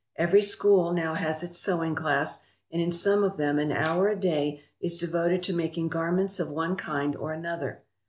Every school now has its sewing class, and in some of them an hour a day is devoted to making garments of one kind or another.